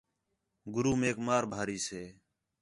گُرو میک مار بھاری سے